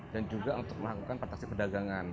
dan juga untuk melakukan proteksi perdagangan